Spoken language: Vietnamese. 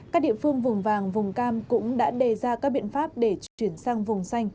các địa phương vùng vàng vùng cam cũng đã đề ra các biện pháp để chuyển sang vùng xanh